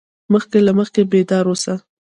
مخکې له مخکې بیدار اوسه.